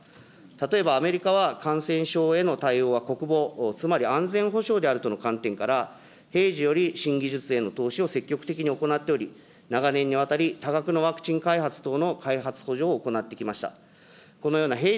例えばアメリカは感染症への対応は国防、つまり安全保障であるとの観点から、平時より新技術への投資を積極的に行っており、長年にわたり多額のワクチン開発等のを行ってきました。